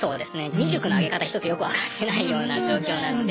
ミルクのあげ方一つよく分かってないような状況なので。